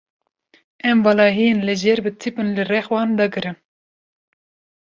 Em valahiyên li jêr bi tîpên li rex wan dagirin.